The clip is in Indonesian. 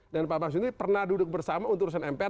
dan pak amsud ini pernah duduk bersama untuk urusan mpr